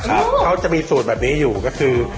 เป็นตอนที่เขาจะมีสูตรแบบนี้อยู่ก็คือ